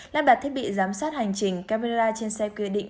lát bạt thiết bị giám sát hành trình camera trên xe quy định